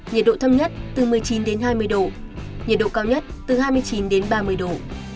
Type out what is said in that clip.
nhiệt độ thấp nhất từ một mươi chín đến hai mươi độ nhiệt độ cao nhất từ hai mươi chín đến ba mươi độ